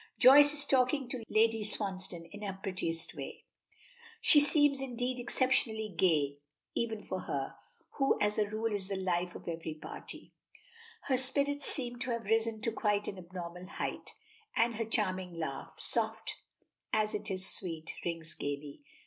Joyce is talking to Lady Swansdown in her prettiest way she seems, indeed, exceptionally gay even for her, who, as a rule, is the life of every party. Her spirits seem to have risen to quite an abnormal height, and her charming laugh, soft as it is sweet, rings gaily.